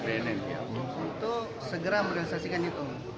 untuk segera merilisasikan itu